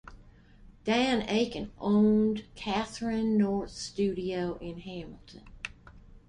Dan Achen owned Catherine North Studio in Hamilton.